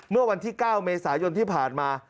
เมื่อวันที่๙เมษายนที่ผ่านมา